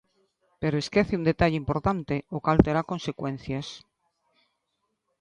Pero esquece un detalle importante, o cal terá consecuencias.